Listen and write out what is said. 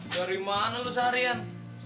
dari mana lo seharian